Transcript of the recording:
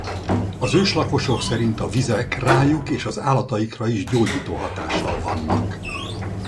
Az őslakosok szerint a vizek rájuk és az állataikra is gyógyító hatással vannak.